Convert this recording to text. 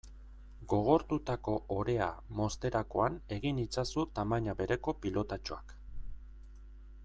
Gogortutako orea mozterakoan egin itzazu tamaina bereko pilotatxoak.